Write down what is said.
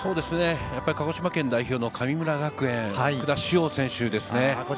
鹿児島県代表の神村学園、福田師王選手ですね。